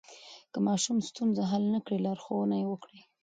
که ماشوم ستونزه حل نه کړي، لارښوونه یې وکړئ.